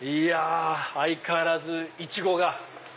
相変わらずイチゴが。